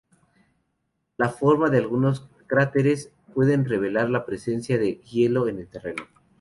La forma de algunos cráteres puede revelar la presencia de hielo en el terreno.